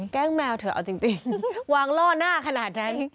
แกล้งแมวเถอะเอาจริงวางล่อหน้าขนาดนั้น